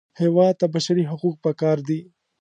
هېواد ته بشري حقوق پکار دي